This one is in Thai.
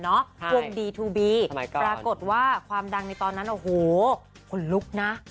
วงดีทูบีปรากฏว่าความดังในตอนนั้นโอ้โหขนลุกนะ